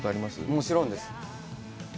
もちろんです。